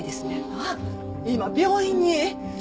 ああ今病院に。